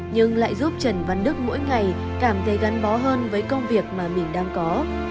nhưng lại giúp trần văn đức mỗi ngày cảm thấy gắn bó hơn với công việc mà mình đang có